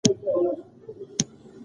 پاڼې تر ژبه لاندې خپله خبره وکړه.